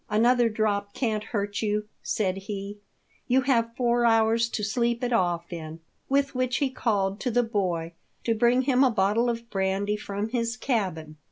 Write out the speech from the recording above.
" Another drop can't hurt you," said he ;" you have four hours to sleep it off in." With which he called to the boy to bring him a bottle of brandy from his cabin.